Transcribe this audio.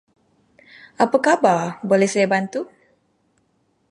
Apa khabar boleh saya bantu?